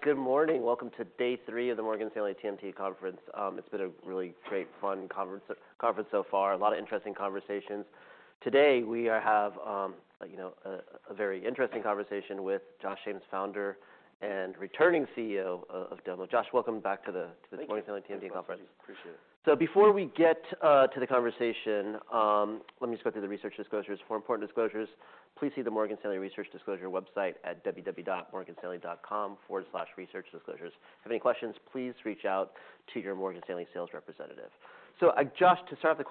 Good morning. Welcome to day three of the Morgan Stanley TMT Conference. It's been a really great, fun conference so far. A lot of interesting conversations. Today we have, you know, a very interesting conversation with Josh James, Founder and returning CEO of Domo. Josh, welcome back to the. Thank you. Morgan Stanley TMT Conference. Appreciate it. Before we get to the conversation, let me just go through the research disclosures. For important disclosures, please see the Morgan Stanley Research Disclosure website at www.morganstanley.com/researchdisclosures. If you have any questions, please reach out to your Morgan Stanley sales representative. Josh, to start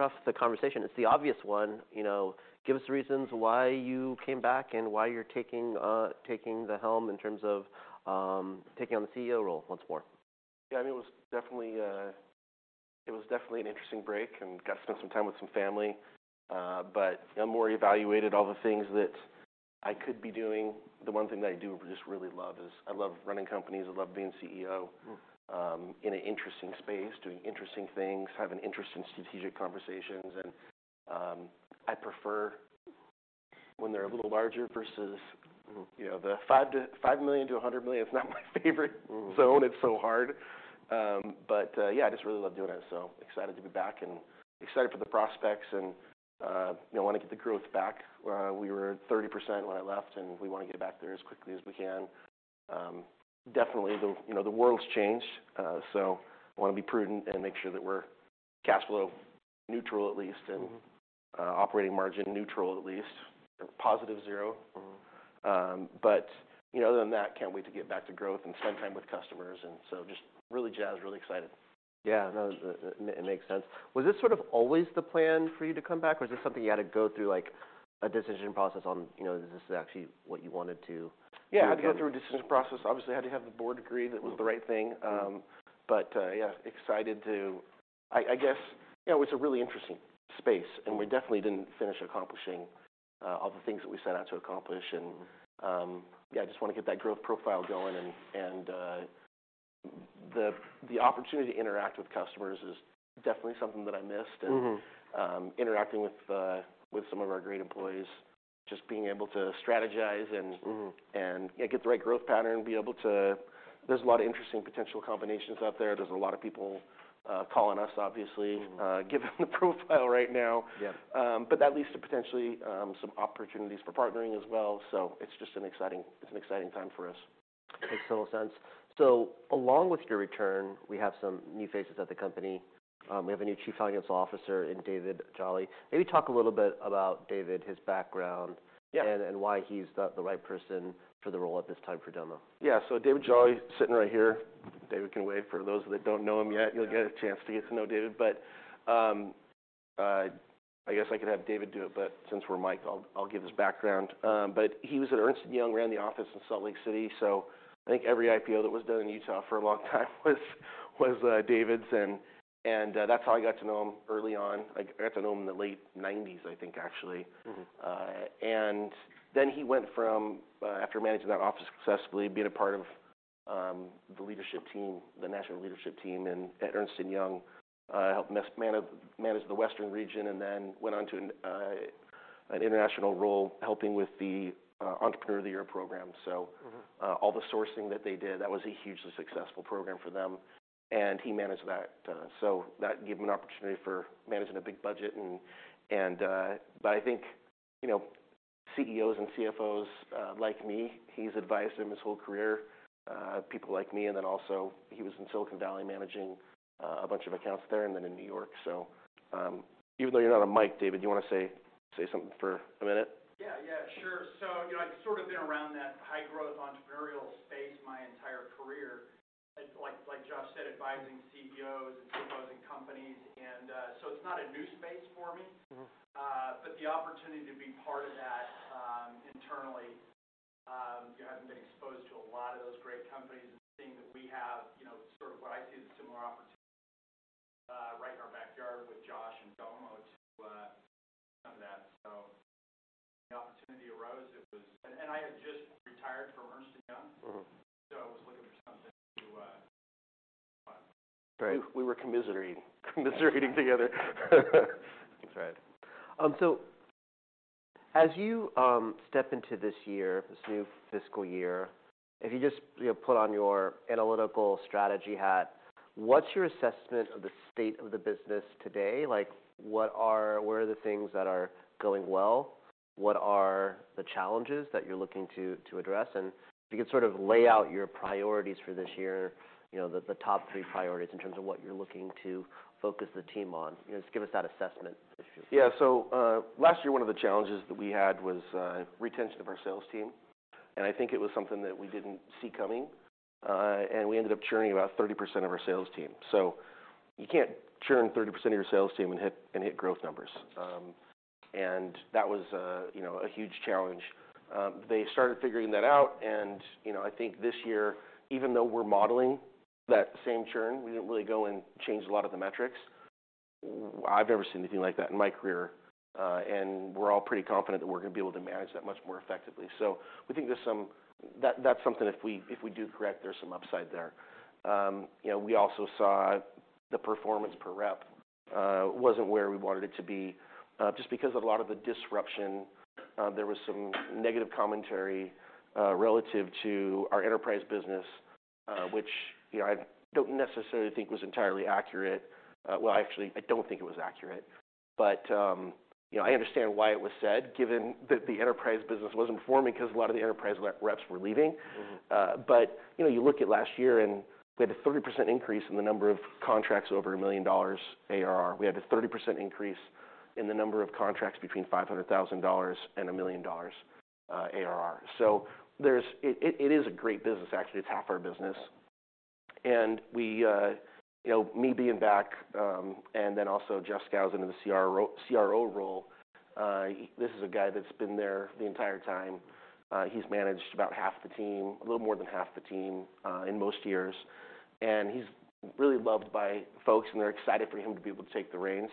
off the conversation, it's the obvious one, you know, give us the reasons why you came back and why you're taking the helm in terms of, taking on the CEO role once more. Yeah, I mean, it was definitely an interesting break and got to spend some time with some family. I more evaluated all the things that I could be doing. The one thing that I do just really love is I love running companies, I love being CEO- Mm-hmm In an interesting space, doing interesting things, having interesting strategic conversations and, I prefer when they're a little larger versus. Mm-hmm You know, the $5 million-$100 million, it's not my favorite zone. It's so hard. Yeah, I just really love doing it, so excited to be back and excited for the prospects and, you know, want to get the growth back. We were at 30% when I left, and we wanna get back there as quickly as we can. Definitely the, you know, the world's changed, so wanna be prudent and make sure that we're cash flow neutral at least. Mm-hmm Operating margin neutral, at least. Positive zero. Mm-hmm. You know, other than that, can't wait to get back to growth and spend time with customers, and so just really jazzed, really excited. Yeah, no, it makes sense. Was this sort of always the plan for you to come back, or is this something you had to go through, like a decision process on, you know, this is actually what you wanted to return? I had to go through a decision process. Obviously, had to have the board agree that it was the right thing. Yeah, excited to, I guess, you know, it's a really interesting space, and we definitely didn't finish accomplishing all the things that we set out to accomplish. Yeah, I just wanna get that growth profile going and, the opportunity to interact with customers is definitely something that I missed. Mm-hmm Interacting with some of our great employees, just being able to strategize. Mm-hmm Yeah, get the right growth pattern, be able to. There's a lot of interesting potential combinations out there. There's a lot of people calling us, obviously. Mm-hmm Given the profile right now. Yeah. That leads to potentially some opportunities for partnering as well. It's just an exciting time for us. Makes total sense. Along with your return, we have some new faces at the company. We have a new Chief Financial Officer in David Jolley. Maybe talk a little bit about David, his background. Yeah And why he's the right person for the role at this time for Domo. David Jolley's sitting right here. David can wave for those that don't know him yet. You'll get a chance to get to know David. I guess I could have David do it, but since we're miked, I'll give his background. He was at Ernst & Young, ran the office in Salt Lake City. I think every IPO that was done in Utah for a long time was David's and that's how I got to know him early on. I got to know him in the late nineties, I think, actually. Mm-hmm. He went from, after managing that office successfully, being a part of the leadership team, the national leadership team and at Ernst & Young, helped manage the Western Region and then went on to an international role helping with the Entrepreneur of the Year program. Mm-hmm All the sourcing that they did, that was a hugely successful program for them, and he managed that. That gave him an opportunity for managing a big budget and I think, you know, CEOs and CFOs, like me, he's advised in his whole career, people like me, and then also he was in Silicon Valley managing a bunch of accounts there and then in New York. Even though you're not on mic, David, you wanna say something for a minute? Yeah, yeah, sure. You know, I've sort of been around that high growth entrepreneurial space my entire career. Like Josh said, advising CEOs and CFOs and companies and, it's not a new space for me. Mm-hmm. The opportunity to be part of that, internally, having been exposed to a lot of those great companies and seeing that we have, you know, sort of what I see as a similar opportunity, right in our backyard with Josh and Domo to, some of that. The opportunity arose. I had just retired from Ernst & Young. Mm-hmm. I was looking for something to. Right. We were commiserating together. That's right. As you step into this year, this new fiscal year, if you just put on your analytical strategy hat, what's your assessment of the state of the business today? Like, what are the things that are going well? What are the challenges that you're looking to address? If you could sort of lay out your priorities for this year, the top three priorities in terms of what you're looking to focus the team on. Just give us that assessment issue. Last year one of the challenges that we had was retention of our sales team, and I think it was something that we didn't see coming. We ended up churning about 30% of our sales team. You can't churn 30% of your sales team and hit growth numbers. That was a, you know, a huge challenge. They started figuring that out and, you know, I think this year, even though we're modeling that same churn, we didn't really go and change a lot of the metrics. I've never seen anything like that in my career. We're all pretty confident that we're gonna be able to manage that much more effectively. We think there's some that's something if we do correct, there's some upside there. You know, we also saw the performance per rep wasn't where we wanted it to be just because of a lot of the disruption. There was some negative commentary relative to our enterprise business, which, you know, I don't necessarily think was entirely accurate. Well, actually, I don't think it was accurate. You know, I understand why it was said, given that the enterprise business wasn't forming 'cause a lot of the enterprise reps were leaving. Mm-hmm. You know, you look at last year, and we had a 30% increase in the number of contracts over $1 million ARR. We had a 30% increase in the number of contracts between $500,000 and $1 million ARR. It is a great business, actually. It's half our business. You know, me being back, and then also Jeff Skousen in the CRO role, this is a guy that's been there the entire time. He's managed about half the team, a little more than half the team, in most years, and he's really loved by folks, and they're excited for him to be able to take the reins.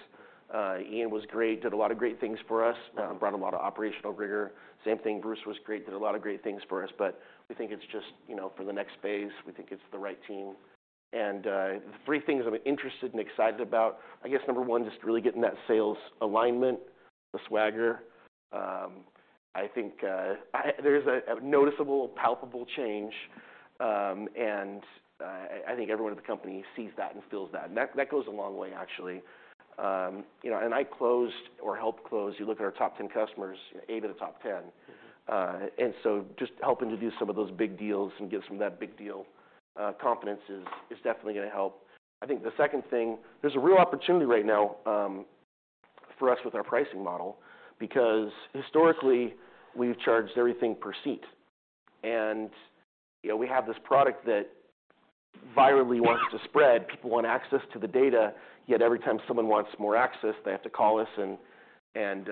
Ian was great, did a lot of great things for us, brought a lot of operational rigor. Same thing, Bruce was great, did a lot of great things for us. We think it's just, you know, for the next phase, we think it's the right team. The three things I'm interested and excited about, I guess number one, just really getting that sales alignment, the swagger. I think there's a noticeable, palpable change, and I think everyone at the company sees that and feels that goes a long way, actually. You know, I closed or helped close. You look at our top 10 customers, eight of the top 10. Just helping to do some of those big deals and give some of that big deal confidence is definitely gonna help. I think the second thing, there's a real opportunity right now, for us with our pricing model, because historically, we've charged everything per seat. You know, we have this product that virally wants to spread. People want access to the data, yet every time someone wants more access, they have to call us and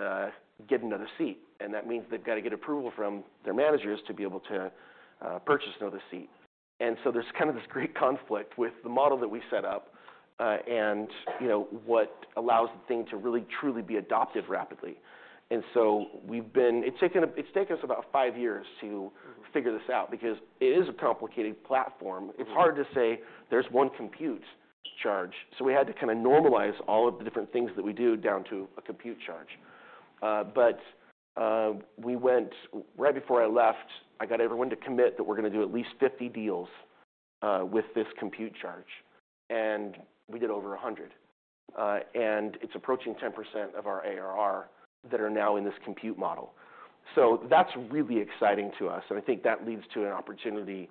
get another seat. That means they've got to get approval from their managers to be able to purchase another seat. So there's kind of this great conflict with the model that we set up, and, you know, what allows the thing to really, truly be adopted rapidly. So we've been, t's taken us about five years to- Mm-hmm Figure this out because it is a complicated platform. Mm-hmm. It's hard to say there's one compute charge. We had to kind of normalize all of the different things that we do down to a compute charge. We went Right before I left, I got everyone to commit that we're gonna do at least 50 deals with this compute charge, and we did over 100. It's approaching 10% of our ARR that are now in this compute model. That's really exciting to us, and I think that leads to an opportunity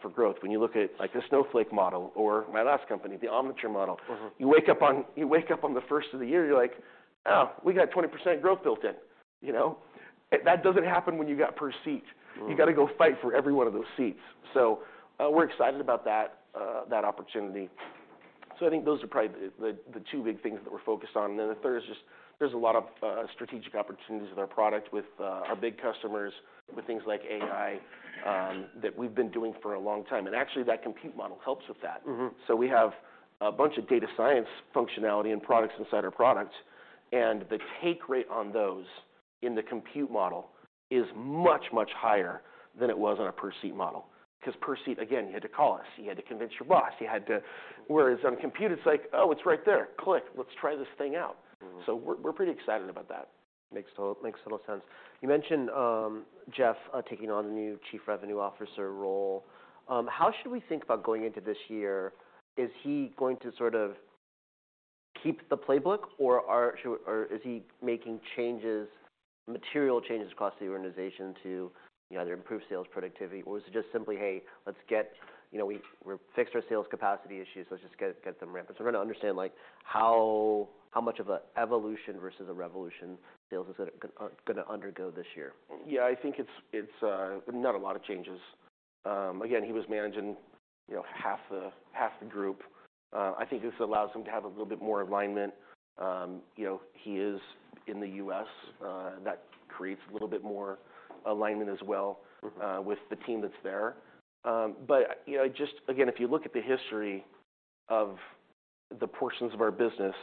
for growth. When you look at like the Snowflake model or my last company, the Omniture model. Mm-hmm You wake up on the first of the year, you're like, "Oh, we got 20% growth built in," you know? That doesn't happen when you got per seat. Mm-hmm. You got to go fight for every one of those seats. We're excited about that opportunity. I think those are probably the two big things that we're focused on. The third is just there's a lot of strategic opportunities with our product, with our big customers, with things like AI that we've been doing for a long time. That compute model helps with that. Mm-hmm. We have a bunch of data science functionality and products inside our product, and the take rate on those in the compute model is much, much higher than it was on a per seat model. Cause per seat, again, you had to call us, you had to convince your boss, you had to. Whereas on compute, it's like, oh, it's right there. Click. Let's try this thing out. Mm-hmm. We're pretty excited about that. Makes total sense. You mentioned Jeff taking on the new chief revenue officer role. How should we think about going into this year? Is he going to sort of keep the playbook or is he making changes, material changes across the organization to, you know, either improve sales productivity or is it just simply, "Hey, let's get, you know, we've fixed our sales capacity issues. Let's just get them ramped." We're gonna understand like how much of a evolution versus a revolution sales is gonna undergo this year. I think it's not a lot of changes. Again, he was managing, you know, half the group. I think this allows him to have a little bit more alignment. You know, he is in the U.S., that creates a little bit more alignment as well. Mm-hmm With the team that's there. You know, just again, if you look at the history of the portions of our business,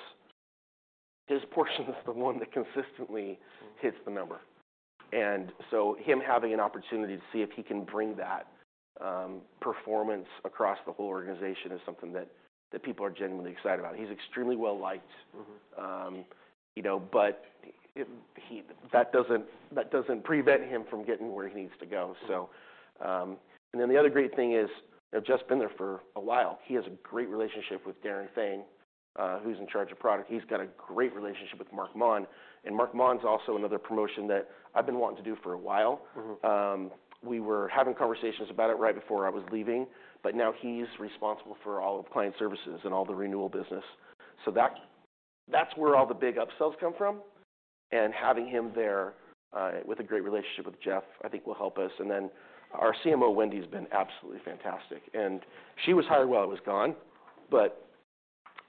his portion is the one that consistently hits the number. Him having an opportunity to see if he can bring that performance across the whole organization is something that people are genuinely excited about. He's extremely well-liked. Mm-hmm. You know, That doesn't prevent him from getting where he needs to go. The other great thing is that Jeff's been there for a while. He has a great relationship with Daren Thayne, who's in charge of product. He's got a great relationship with Mark Maughan. Mark Maughan's also another promotion that I've been wanting to do for a while. Mm-hmm. We were having conversations about it right before I was leaving. Now he's responsible for all of client services and all the renewal business. That's where all the big upsells come from. Having him there, with a great relationship with Jeff, I think will help us. Then our CMO, Wendy, has been absolutely fantastic. She was hired while I was gone, but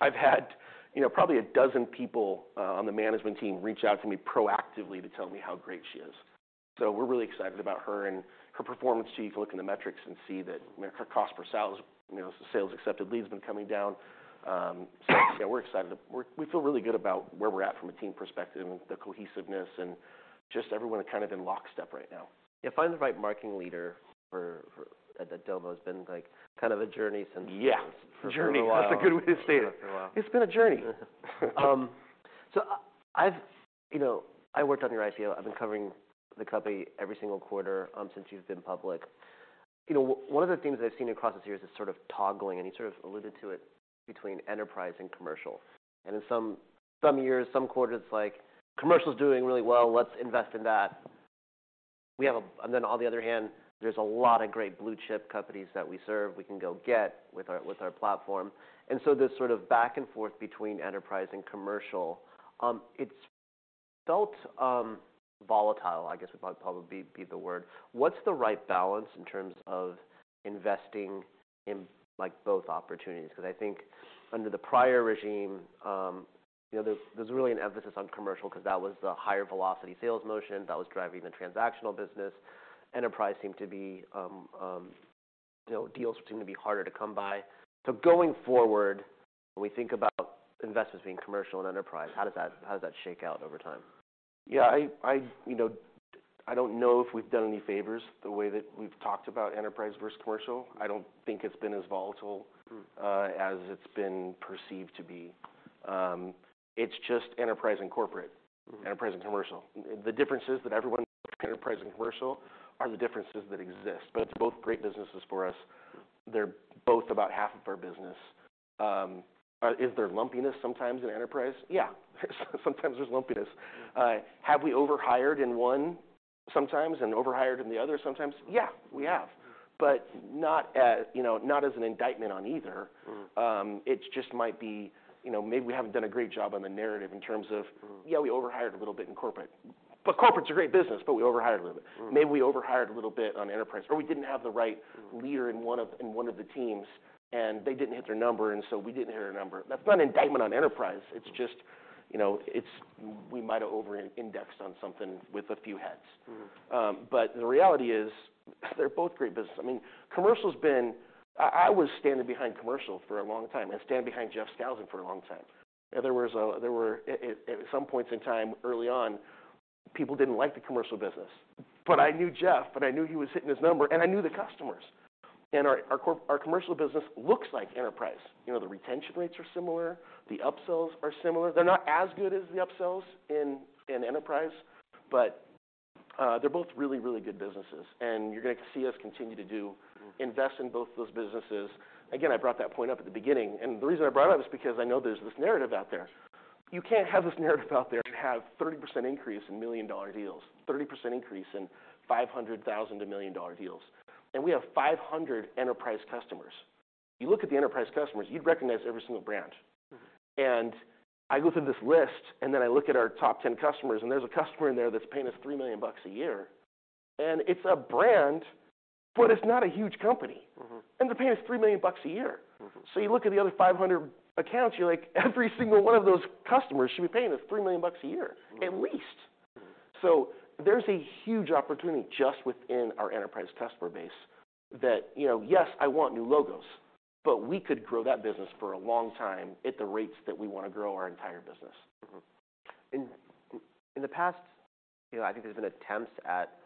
I've had, you know, probably 12 people on the management team reach out to me proactively to tell me how great she is. We're really excited about her and her performance. You can look in the metrics and see that, I mean, her cost per sales, you know, sales accepted leads been coming down. Yeah, we're excited. We feel really good about where we're at from a team perspective and the cohesiveness and just everyone kind of in lockstep right now. Yeah, finding the right marketing leader for at Domo has been like kind of a journey. Yeah. A journey. For a while. That's a good way to state it. For a while. It's been a journey. I've, you know, I worked on your IPO. I've been covering the company every single quarter, since you've been public. You know, one of the themes I've seen across the years is sort of toggling, and you sort of alluded to it, between enterprise and commercial. In some years, some quarters, like commercial's doing really well, let's invest in that. We have a, then on the other hand, there's a lot of great blue chip companies that we serve, we can go get with our platform. So this sort of back and forth between enterprise and commercial, it's felt volatile, I guess would probably be the word. What's the right balance in terms of investing in like both opportunities? 'Cause I think under the prior regime, you know, there's really an emphasis on commercial 'cause that was the higher velocity sales motion, that was driving the transactional business. Enterprise seemed to be, you know, deals seemed to be harder to come by. Going forward, when we think about investments being commercial and enterprise, how does that shake out over time? Yeah. I, you know, I don't know if we've done any favors the way that we've talked about enterprise versus commercial. I don't think it's been as volatile- Mm. As it's been perceived to be. It's just enterprise and corporate. Mm. Enterprise and commercial. The differences that everyone looks at enterprise and commercial are the differences that exist, but it's both great businesses for us. They're both about half of our business. Is there lumpiness sometimes in enterprise? Yeah. Sometimes there's lumpiness. Have we overhired in one sometimes and overhired in the other sometimes? Yeah, we have. Not a, you know, not as an indictment on either. Mm. it just might be, you know, maybe we haven't done a great job on the narrative in terms of- Mm Yeah, we overhired a little bit in corporate. Corporate's a great business, but we overhired a little bit. Mm. Maybe we overhired a little bit on enterprise, or we didn't have the right- Mm Leader in one of the teams, and they didn't hit their number, and so we didn't hit our number. That's not an indictment on enterprise. It's just, you know, it's. We might have over indexed on something with a few heads. Mm. The reality is they're both great business. I mean, commercial's been I was standing behind commercial for a long time, and stand behind Jeff Skousen for a long time. There were At some points in time early on, people didn't like the commercial business. I knew Jeff, but I knew he was hitting his number, and I knew the customers. Our commercial business looks like enterprise. You know, the retention rates are similar. The upsells are similar. They're not as good as the upsells in enterprise, but they're both really, really good businesses, and you're gonna see us continue to do. Mm Invest in both those businesses. Again, I brought that point up at the beginning. The reason I brought it up is because I know there's this narrative out there. You can't have this narrative out there and have 30% increase in million-dollar deals, 30% increase in $500,000 to million-dollar deals. We have 500 enterprise customers. You look at the enterprise customers, you'd recognize every single brand. Mm. I go through this list, and then I look at our top 10 customers, and there's a customer in there that's paying us $3 million a year, and it's a brand, but it's not a huge company. Mm-hmm. They're paying us $3 million a year. Mm-hmm. You look at the other 500 accounts, you're like, every single one of those customers should be paying us $3 million a year. Mm At least. Mm. There's a huge opportunity just within our enterprise customer base that, you know, yes, I want new logos, but we could grow that business for a long time at the rates that we wanna grow our entire business. In the past, you know, I think there's been attempts at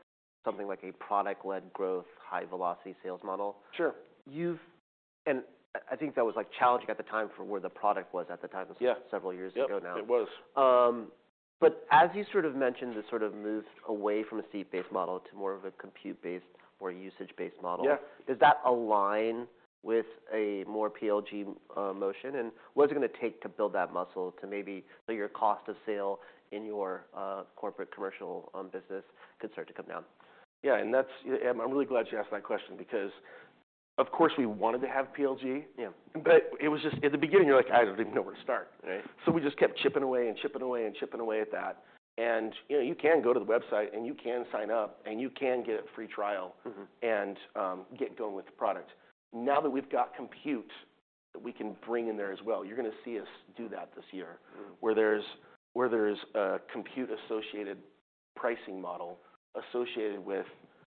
something like a product-led growth, high velocity sales model. Sure. I think that was like challenging at the time for where the product was at the time. Yeah. It was several years ago now. Yep, it was. As you sort of mentioned, this sort of moved away from a seat-based model to more of a compute-based or usage-based model. Yeah. Does that align with a more PLG motion? What is it gonna take to build that muscle to maybe so your cost of sale in your corporate commercial business could start to come down? Yeah, I'm really glad you asked that question because, of course, we wanted to have PLG. Yeah. It was just, at the beginning, you're like, "I don't even know where to start. Right. We just kept chipping away and chipping away and chipping away at that. You know, you can go to the website and you can sign up, and you can get a free trial. Mm-hmm Get going with the product. Now that we've got compute that we can bring in there as well, you're gonna see us do that this year. Mm. Where there's a compute associated pricing model associated with,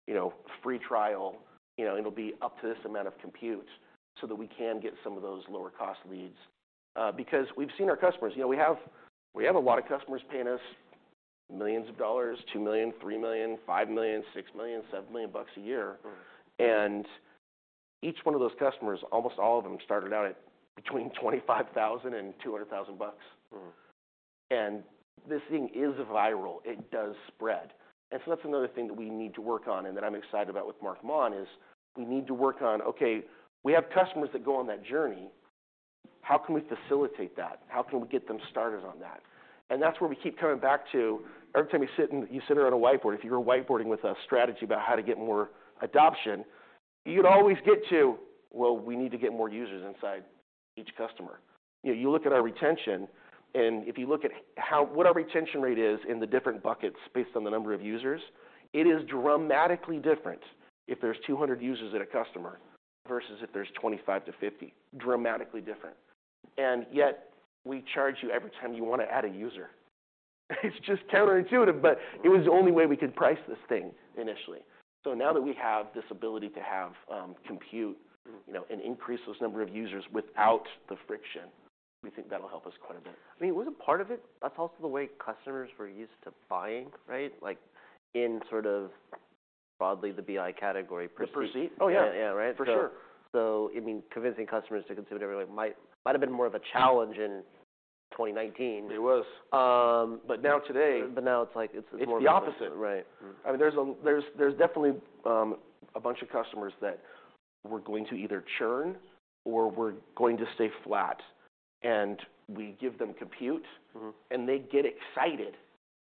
you know, free trial. You know, it'll be up to this amount of compute so that we can get some of those lower cost leads. Because we've seen our customers. You know, we have a lot of customers paying us millions of dollars, $2 million, $3 million, $5 million, $6 million, $7 million bucks a year. Mm. Each one of those customers, almost all of them started out at between $25,000 and $200,000. Mm. This thing is viral. It does spread. That's another thing that we need to work on and that I'm excited about with Mark Maughan, is we need to work on, okay, we have customers that go on that journey. How can we facilitate that? How can we get them started on that? That's where we keep coming back to every time we sit and you sit around a whiteboard, if you were whiteboarding with a strategy about how to get more adoption, you'd always get to, well, we need to get more users inside each customer. You know, you look at our retention, and if you look at what our retention rate is in the different buckets based on the number of users, it is dramatically different if there's 200 users at a customer versus if there's 25-50. Dramatically different. Yet we charge you every time you wanna add a user. It's just counterintuitive, but it was the only way we could price this thing initially. Now that we have this ability to have. Mm You know, and increase those number of users without the friction, we think that'll help us quite a bit. I mean, wasn't part of it, that's also the way customers were used to buying, right? Like. Broadly the BI category per seat. Per seat. Oh, yeah. Yeah, yeah. Right? For sure. I mean, convincing customers to consume it every way might have been more of a challenge in 2019. It was. now today. now it's like, it's. It's the opposite. Right. I mean, there's definitely a bunch of customers that were going to either churn or were going to stay flat. We give them compute. Mm-hmm They get excited.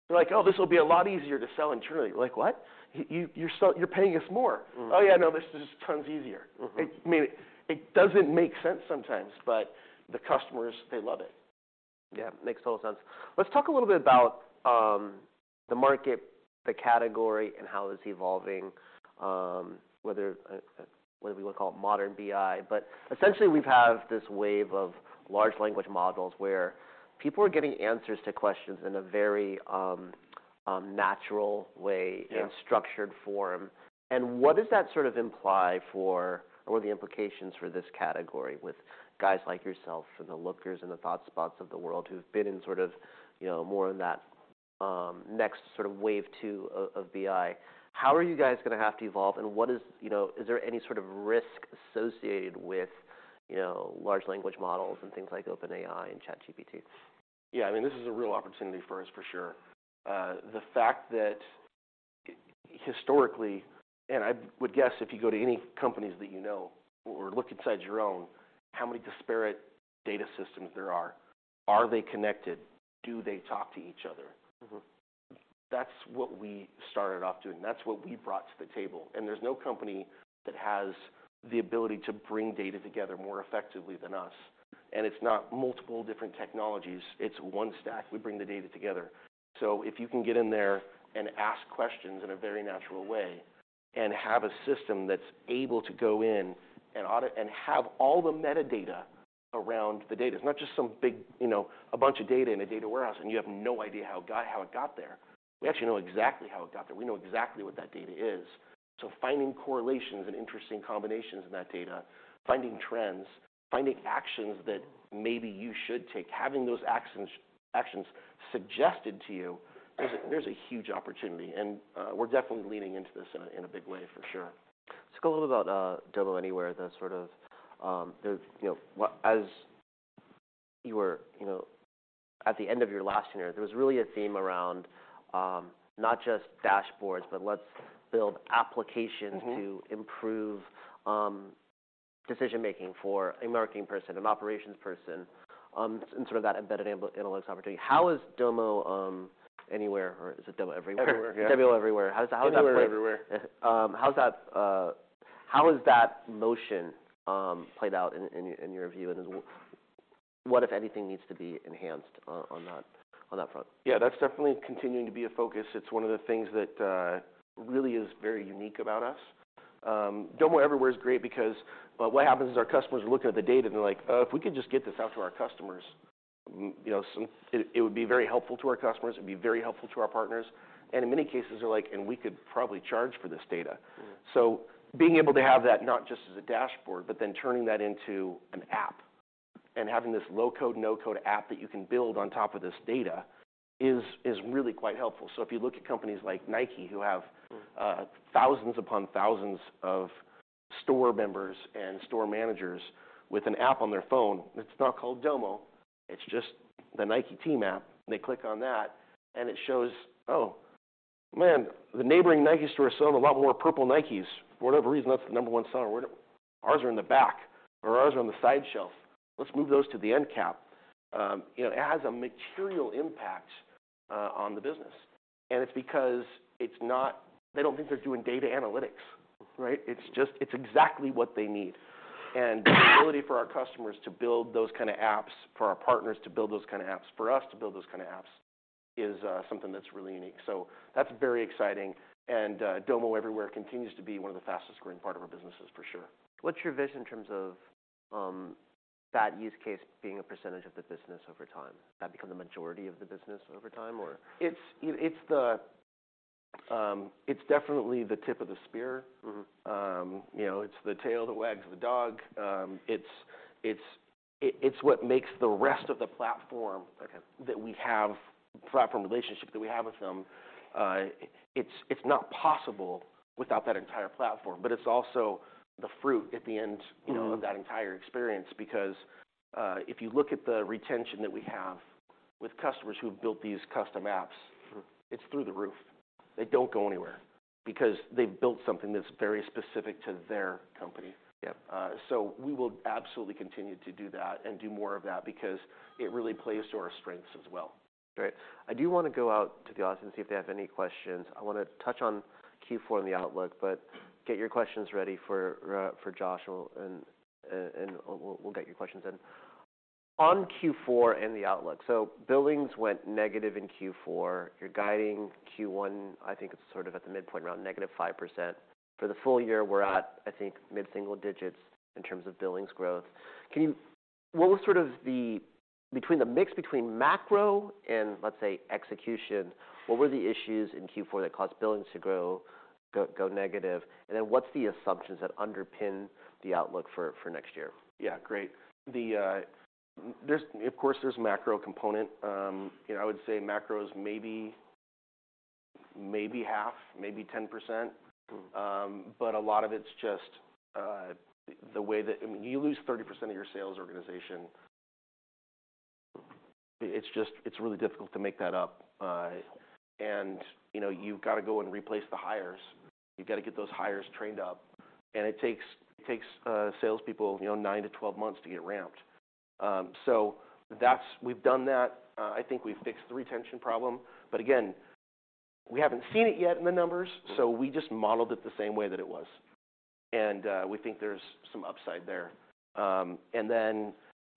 They're like, "Oh, this will be a lot easier to sell internally." You're like, "What? You're still, you're paying us more. Mm-hmm. Oh, yeah, no, this is tons easier. Mm-hmm. I mean, it doesn't make sense sometimes, but the customers, they love it. Yeah. Makes total sense. Let's talk a little bit about, the market, the category, and how it's evolving, whether we wanna call it modern BI. Essentially we've had this wave of large language models where people are getting answers to questions in a very natural way. Yeah Structured form. What does that sort of imply for or the implications for this category with guys like yourself and the Looker and the ThoughtSpot of the world who've been in sort of, you know, more in that, next sort of wave two of BI. How are you guys gonna have to evolve, and what is? You know, is there any sort of risk associated with, you know, large language models and things like OpenAI and ChatGPT? Yeah. I mean, this is a real opportunity for us, for sure. The fact that historically, and I would guess if you go to any companies that you know or look inside your own, how many disparate data systems there are. Are they connected? Do they talk to each other? Mm-hmm. That's what we started off doing. That's what we brought to the table, and there's no company that has the ability to bring data together more effectively than us, and it's not multiple different technologies. It's one stack. We bring the data together. If you can get in there and ask questions in a very natural way, and have a system that's able to go in and audit and have all the metadata around the data. It's not just some big, you know, a bunch of data in a data warehouse, and you have no idea how it got there. We actually know exactly how it got there. We know exactly what that data is. Finding correlations and interesting combinations in that data, finding trends, finding actions that maybe you should take, having those actions suggested to you, there's a huge opportunity, and we're definitely leaning into this in a big way, for sure. Let's talk a little about Domo Everywhere. As you were, you know, at the end of your last year, there was really a theme around not just dashboards, but let's build applications. Mm-hmm To improve decision-making for a marketing person, an operations person, in sort of that embedded analytics opportunity. How is Domo Anywhere, or is it Domo Everywhere? Everywhere, yeah. Domo Everywhere. How does that play? Anywhere, everywhere. How has that motion played out in your view? What, if anything, needs to be enhanced on that front? Yeah, that's definitely continuing to be a focus. It's one of the things that really is very unique about us. Domo Everywhere is great because well, what happens is our customers are looking at the data and they're like, "Oh, if we could just get this out to our customers, you know, it would be very helpful to our customers, it'd be very helpful to our partners." In many cases they're like, "We could probably charge for this data. Mm-hmm. Being able to have that, not just as a dashboard, but then turning that into an app and having this low-code, no-code app that you can build on top of this data is really quite helpful. If you look at companies like Nike who have. Mm-hmm Thousands upon thousands of store members and store managers with an app on their phone. It's not called Domo, it's just the Nike Team app. They click on that, and it shows, oh, man, the neighboring Nike store is selling a lot more purple Nikes. For whatever reason, that's the number one seller. Ours are in the back, or ours are on the side shelf. Let's move those to the end cap. You know, it has a material impact on the business. It's because they don't think they're doing data analytics, right? It's exactly what they need. The ability for our customers to build those kind of apps, for our partners to build those kind of apps, for us to build those kind of apps is something that's really unique. That's very exciting, and Domo Everywhere continues to be one of the fastest growing part of our businesses, for sure. What's your vision in terms of that use case being a percentage of the business over time? That become the majority of the business over time or...? You know, it's the, it's definitely the tip of the spear. Mm-hmm. You know, it's the tail that wags the dog. It's what makes the rest of the platform. Okay That we have, the platform relationship that we have with them, it's not possible without that entire platform. It's also the fruit at the end- Mm-hmm You know, of that entire experience. If you look at the retention that we have with customers who have built these custom apps. Mm-hmm It's through the roof. They don't go anywhere, because they've built something that's very specific to their company. Yep. We will absolutely continue to do that and do more of that because it really plays to our strengths as well. Great. I do wanna go out to the audience, see if they have any questions. I wanna touch on Q4 and the outlook, but get your questions ready for Josh James and we'll get your questions in. On Q4 and the outlook. Billings went negative in Q4. You're guiding Q1, I think it's sort of at the midpoint, around -5%. For the full year, we're at, I think, mid-single digits in terms of billings growth. What was sort of the mix between macro and let's say execution, what were the issues in Q4 that caused billings to go negative, and then what's the assumptions that underpin the outlook for next year? Yeah, great. There's, of course, a macro component. You know, I would say macro's maybe half, maybe 10%. I mean, you lose 30% of your sales organization, it's really difficult to make that up. You know, you've got to go and replace the hires. You've got to get those hires trained up, and it takes salespeople, you know, 9 to 12 months to get ramped. That's. We've done that. I think we've fixed the retention problem. Again, we haven't seen it yet in the numbers, so we just modeled it the same way that it was. We think there's some upside there.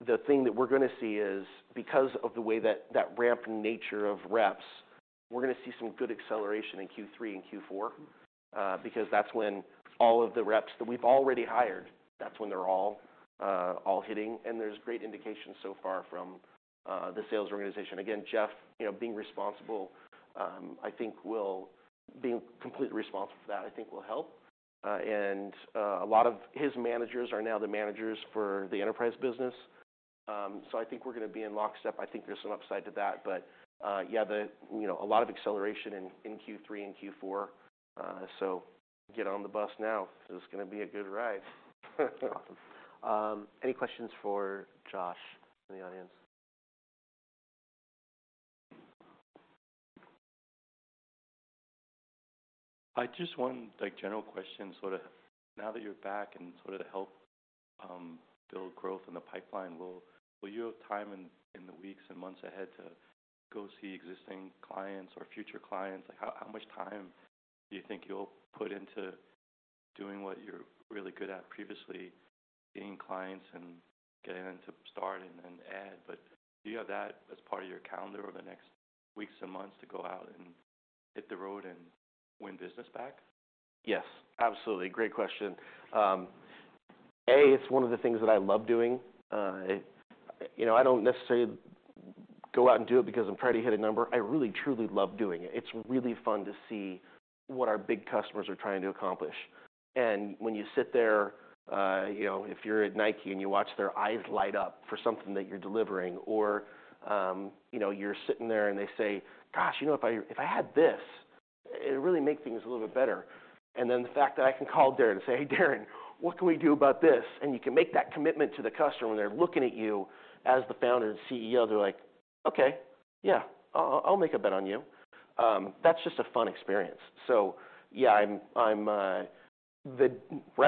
The thing that we're gonna see is, because of the way that ramp nature of reps, we're gonna see some good acceleration in Q3 and Q4, because that's when all of the reps that we've already hired, that's when they're all hitting, and there's great indication so far from the sales organization. Again, Jeff, you know, being responsible, Being completely responsible for that I think will help. A lot of his managers are now the managers for the enterprise business. I think we're gonna be in lockstep. I think there's some upside to that. Yeah, the, you know, a lot of acceleration in Q3 and Q4. Get on the bus now 'cause it's gonna be a good ride. Awesome. Any questions for Josh from the audience? I just one like general question. Sorta now that you're back and sorta to help build growth in the pipeline, will you have time in the weeks and months ahead to go see existing clients or future clients? Like, how much time do you think you'll put into doing what you're really good at previously getting clients and getting them to start and then add? Do you have that as part of your calendar over the next weeks and months to go out and hit the road and win business back? Yes, absolutely. Great question. A, it's one of the things that I love doing. You know, I don't necessarily go out and do it because I'm trying to hit a number. I really truly love doing it. It's really fun to see what our big customers are trying to accomplish. When you sit there, you know, if you're at Nike and you watch their eyes light up for something that you're delivering or, you know, you're sitting there and they say, "Gosh, you know, if I had this, it'd really make things a little bit better." Then the fact that I can call Darren and say, "Hey, Darren, what can we do about this?" You can make that commitment to the customer when they're looking at you as the founder and CEO. They're like, "Okay. Yeah. I'll make a bet on you." That's just a fun experience. Yeah, Right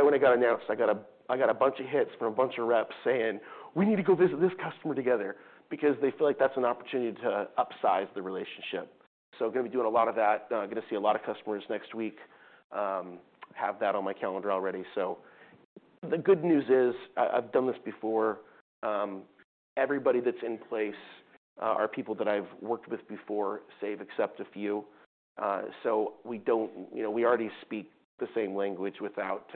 when it got announced, I got a, I got a bunch of hits from a bunch of reps saying, "We need to go visit this customer together," because they feel like that's an opportunity to upsize the relationship. Gonna be doing a lot of that. Gonna see a lot of customers next week. Have that on my calendar already. The good news is I've done this before. Everybody that's in place, are people that I've worked with before, save except a few. You know, we already speak the same language without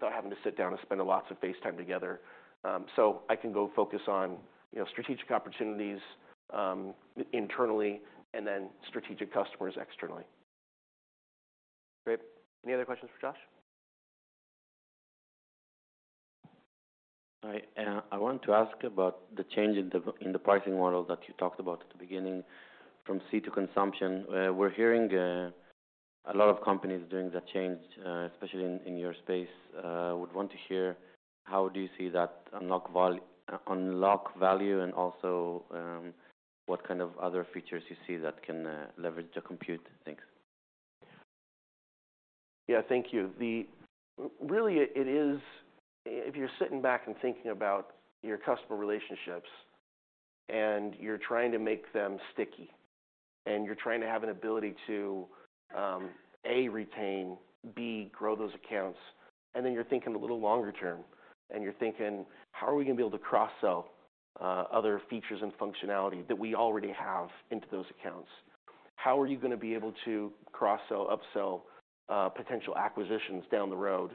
having to sit down and spend lots of face time together. I can go focus on, you know, strategic opportunities, internally, and then strategic customers externally. Great. Any other questions for Josh? I want to ask about the change in the pricing model that you talked about at the beginning from seat to consumption. We're hearing a lot of companies doing that change, especially in your space. Would want to hear how do you see that unlock value and also, what kind of other features you see that can leverage the compute. Thanks. Yeah. Thank you. Really it is. If you're sitting back and thinking about your customer relationships, and you're trying to make them sticky, and you're trying to have an ability to, A, retain, B, grow those accounts, and then you're thinking a little longer term, and you're thinking, "How are we gonna be able to cross-sell, other features and functionality that we already have into those accounts?" How are you gonna be able to cross-sell, up-sell, potential acquisitions down the road?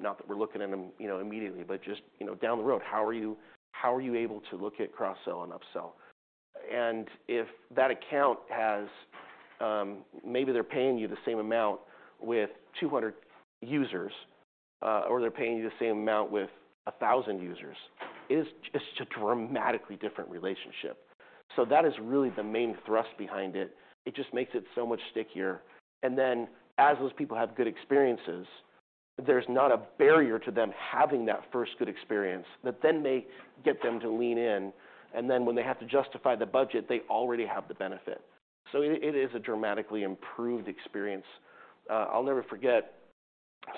Not that we're looking at them, you know, immediately, but just, you know, down the road, how are you able to look at cross-sell and up-sell? If that account has, maybe they're paying you the same amount with 200 users, or they're paying you the same amount with 1,000 users, it is just a dramatically different relationship. That is really the main thrust behind it. It just makes it so much stickier. As those people have good experiences, there's not a barrier to them having that first good experience that then may get them to lean in, and then when they have to justify the budget, they already have the benefit. It is a dramatically improved experience. I'll never forget,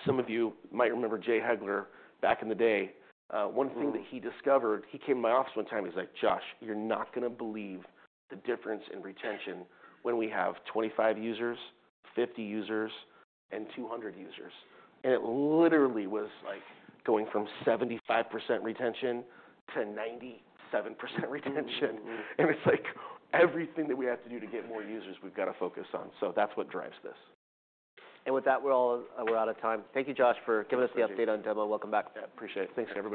some of you might remember Jay Heglar back in the day. One thing. Mm-hmm That he discovered, he came to my office one time, he's like, "Josh, you're not gonna believe the difference in retention when we have 25 users, 50 users, and 200 users." It literally was like going from 75% retention to 97% retention. Mm-hmm. It's like everything that we have to do to get more users, we've got to focus on. That's what drives this. With that, we're out of time. Thank you, Josh, for giving us the update on Domo. Welcome back. Appreciate it. Thanks, everybody.